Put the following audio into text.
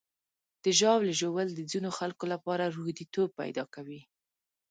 د ژاولې ژوول د ځینو خلکو لپاره روږديتوب پیدا کوي.